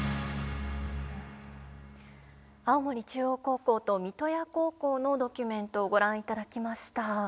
青森中央高校と三刀屋高校のドキュメントをご覧いただきました。